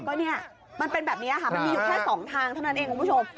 ก็เนี่ยมันเป็นแบบนี้ค่ะมันมีอยู่แค่๒ทางเท่านั้นเองคุณผู้ชม